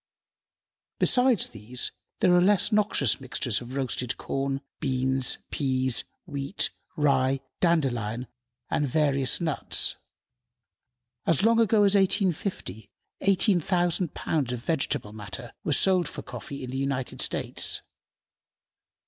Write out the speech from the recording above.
Besides these, are less noxious mixtures of roasted corn, beans, peas, wheat, rye, dandelion, and various nuts. As long ago as 1850, 18,000 pounds of vegetable matter were sold for coffee in the United States.